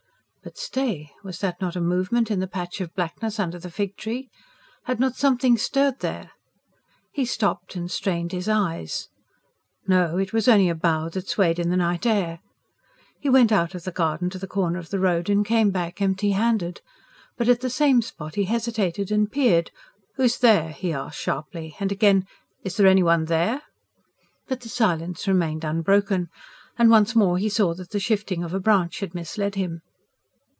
But stay! ... was that not a movement in the patch of blackness under the fig tree? Had not something stirred there? He stopped, and strained his eyes. No, it was only a bough that swayed in the night air. He went out of the garden to the corner of the road and came back empty handed. But at the same spot he hesitated, and peered. "Who's there?" he asked sharply. And again: "Is there any one there?" But the silence remained unbroken; and once more he saw that the shifting of a branch had misled him.